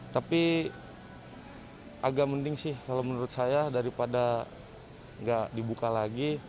tapi agak mending sih kalau menurut saya daripada nggak dibuka lagi